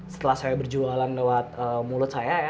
setelah saya berjualan lewat mulut saya